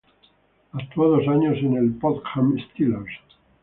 Actuó dos años en el Pohang Steelers.